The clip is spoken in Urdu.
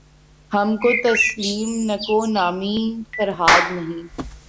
ہم کو تسلیم نکو نامیِ فرہاد نہیں